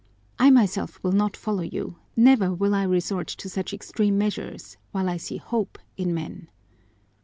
I myself will not follow you, never will I resort to such extreme measures while I see hope in men."